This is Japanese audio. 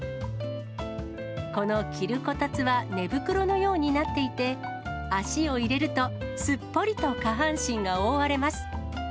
この着るこたつは、寝袋のようになっていて、足をいれるとすっぽりと下半身が覆われます。